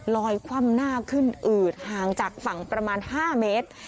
คว่ำหน้าขึ้นอืดห่างจากฝั่งประมาณ๕เมตร